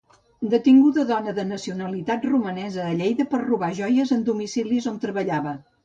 Detinguda dona de nacionalitat romanesa a Lleida per robar joies en domicilis on treballava